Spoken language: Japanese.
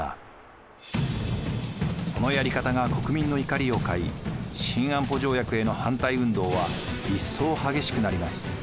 このやり方が国民の怒りを買い新安保条約への反対運動は一層激しくなります。